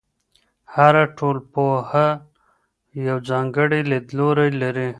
هر ټولنپوه یو ځانګړی لیدلوری لري.